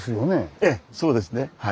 ええそうですね。